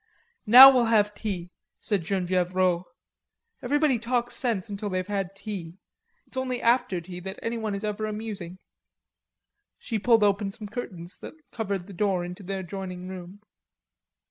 "Now we'll have tea," said Genevieve Rod. "Everybody talks sense until they've had tea.... It's only after tea that anyone is ever amusing." She pulled open some curtains that covered the door into the adjoining room.